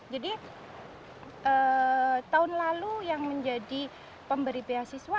tahun lalu yang menjadi pemberi beasiswa